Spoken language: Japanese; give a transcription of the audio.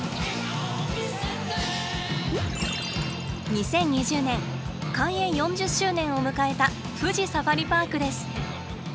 ２０２０年開園４０周年を迎えた富士サファリパークです。